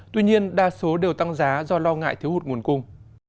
tuy nhiên đa số đều tăng giá do lo ngại thiếu hụt nguồn cung